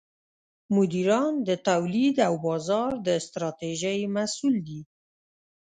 مدیران د تولید او بازار د ستراتیژۍ مسوول دي.